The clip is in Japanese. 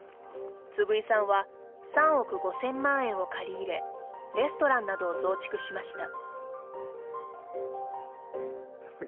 次井さんは３億５０００万円を借り入れレストランなどを増築しました。